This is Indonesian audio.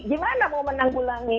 gimana mau menanggulangi